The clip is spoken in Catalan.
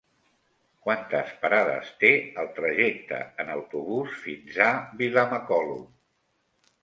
Quantes parades té el trajecte en autobús fins a Vilamacolum?